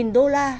một mươi đô la